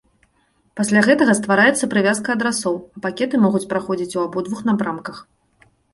Пасля гэтага ствараецца прывязка адрасоў, а пакеты могуць праходзіць ў абодвух напрамках.